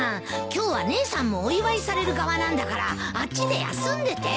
今日は姉さんもお祝いされる側なんだからあっちで休んでて。